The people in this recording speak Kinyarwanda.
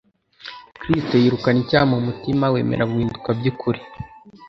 Kristo yirukana icyaha mu mutima wemera guhinduka by'ukuri.